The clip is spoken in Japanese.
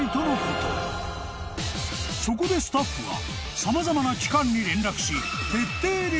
［そこでスタッフは様々な機関に連絡し］